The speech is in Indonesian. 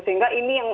sehingga ini yang